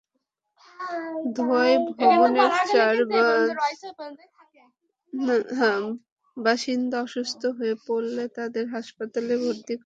ধোঁয়ায় ভবনের চার বাসিন্দা অসুস্থ হয়ে পড়লে তাঁদের হাসপাতালে ভর্তি করা হয়।